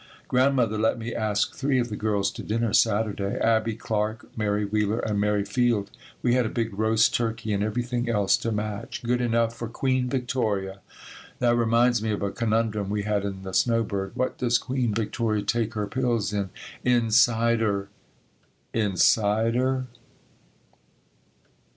Grandmother let me ask three of the girls to dinner Saturday, Abbie Clark, Mary Wheeler and Mary Field. We had a big roast turkey and everything else to match. Good enough for Queen Victoria. That reminds me of a conundrum we had in The Snow Bird: What does Queen Victoria take her pills in? In cider. (Inside her.)